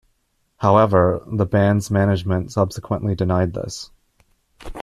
However, the band's management subsequently denied this.